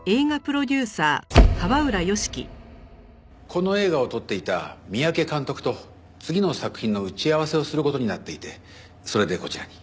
この映画を撮っていた三宅監督と次の作品の打ち合わせをする事になっていてそれでこちらに。